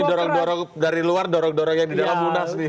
didorong dorong dari luar dorong dorong yang di dalam munas nih